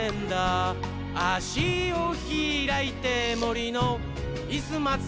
「あしをひらいてもりのイスまつ」